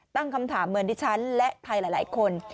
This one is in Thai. ตั้งคำถามเหมือนดิฉันและใครหลายคน